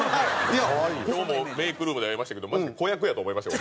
今日もメイクルームで会いましたけどマジで子役やと思いましたよ